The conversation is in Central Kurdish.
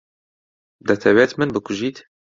دەتەوێت من بکوژیت؟